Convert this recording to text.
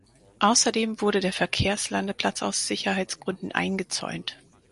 Außerdem wurde der Verkehrslandeplatz aus Sicherheitsgründen eingezäunt.